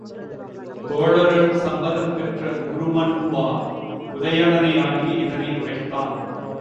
தோழர்கள் சம்மதம் பெற்ற உருமண்ணுவா, உதயணனை அணுகி இதனை உரைத்தான்.